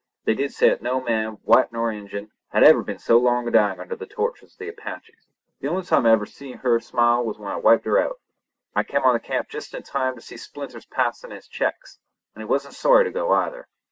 They did say that no man, white or Injun, had ever been so long a dying under the tortures of the Apaches. The only time I ever see her smile was when I wiped her out. I kem on the camp just in time to see Splinters pass in his checks, and he wasn't sorry to go either.